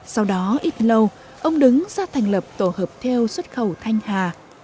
sau đó ít lâu ông đứng ra thành lập tổ hợp theo xuất khẩu thanh hà